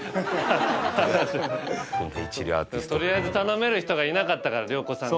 とりあえず頼める人がいなかったから良子さん。